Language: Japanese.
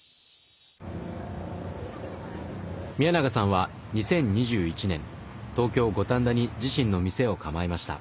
宮永さんは２０２１年東京五反田に自身の店を構えました。